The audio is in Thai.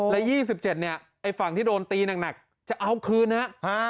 แล้วยี่สิบเจ็ดเนี่ยไอ้ฝั่งที่โดนตีหนักหนักจะเอาคืนฮะฮะ